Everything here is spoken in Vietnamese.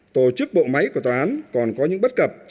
tổ chức bộ máy của tòa án còn có những bất cập